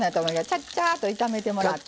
ちゃっちゃっと炒めてもらって。